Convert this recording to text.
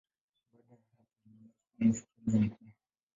Baada ya hapo ilibaki kama hospitali ya mkoa.